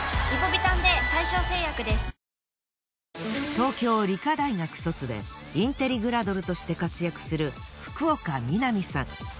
東京理科大学卒でインテリグラドルとして活躍する福岡みなみさん。